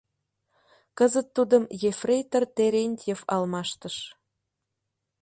Кызыт тудым ефрейтор Терентьев алмаштыш.